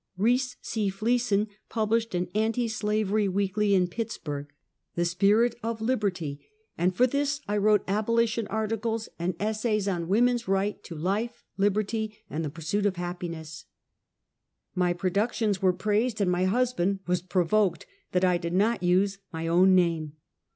Reece C. Fleeson pub lished an anti slavery weekly in Pittsburg, The Spirit SWISSVALE. 75 of Liberty^ and for tliis I wrote abolition articles and essays on woman's right to life, liberty, and the pur suit of happiness. My productions were praised, and my husband was provoked that I did not use my own name.